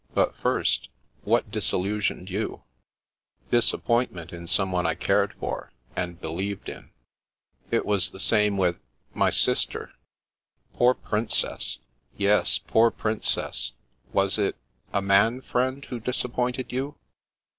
" But first — ^what disillusioned you ?"'^ Disappointment in someone I cared for, — and believed in." " It was the same with — my sister." " Poor Princess." " Yes, poor Princess. Was it — a man friend who disappointed you